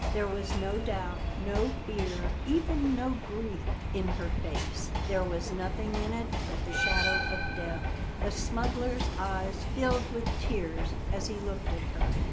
There was no doubt, no fear, even no grief in her face; there was nothing in it but the shadow of death. The smuggler's eyes filled with tears as he looked at her.